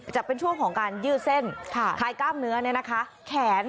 จะเป็นช่วงของการยืดเส้นไข้ก้ามเนื้อนะคะ